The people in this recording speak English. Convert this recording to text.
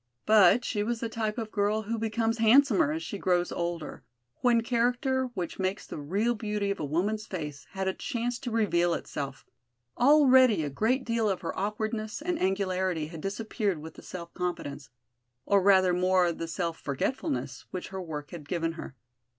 But she was the type of girl who becomes handsomer as she grows older, when character which makes the real beauty of a woman's face had a chance to reveal itself. Already a great deal of her awkwardness and angularity had disappeared with the self confidence, or rather more the self forgetfulness which her work had given her.